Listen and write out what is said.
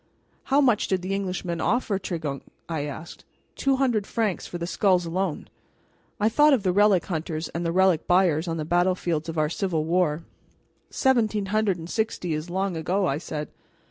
"How much did the Englishman offer Tregunc?" I asked. "Two hundred francs for the skulls alone." I thought of the relic hunters and the relic buyers on the battlefields of our civil war. "Seventeen hundred and sixty is long ago," I said.